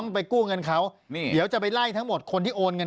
ปากกับภาคภูมิ